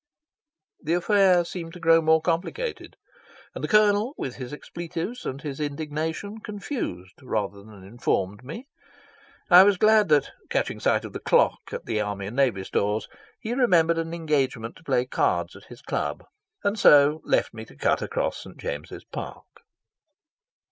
The affair seemed to grow more complicated, and the Colonel, with his expletives and his indignation, confused rather than informed me. I was glad that, catching sight of the clock at the Army and Navy Stores, he remembered an engagement to play cards at his club, and so left me to cut across St. James Park.